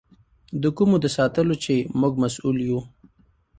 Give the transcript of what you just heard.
د کومو د ساتلو چې موږ مسؤل یو.